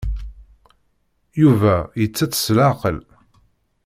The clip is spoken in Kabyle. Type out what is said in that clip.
Yuba yettett s leɛqel.